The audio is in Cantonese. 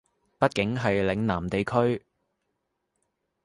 畢竟係嶺南地區